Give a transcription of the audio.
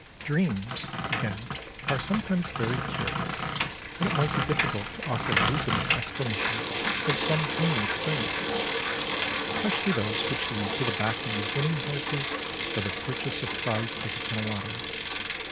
Dreams, again, are sometimes very curious, and it might be difficult to offer a reasonable explanation of some dream experiences, especially those which lead to the backing of winning horses or the purchase of prize tickets in a lottery.